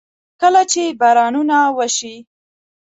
کله چې بارانونه وشي.